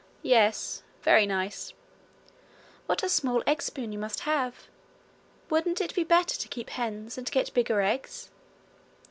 'Yes, very nice.' 'What a small egg spoon you must have! Wouldn't it be better to keep hens, and get bigger eggs?'